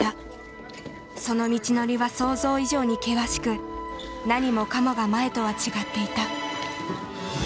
その道のりは想像以上に険しく何もかもが前とは違っていた。